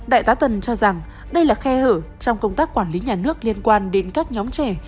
đại tá tần cho rằng đây là khe hở trong công tác quản lý nhà nước liên quan đến các nhóm trẻ